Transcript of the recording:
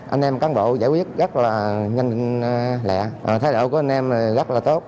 anh em cán bộ giải quyết rất là nhanh lạ thái độ của anh em rất là tốt